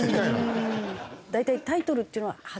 大体タイトルっていうのは８？